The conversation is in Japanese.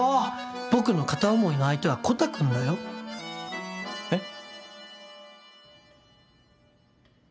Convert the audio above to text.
僕の片思いの相手はコタくんだよ。えっ？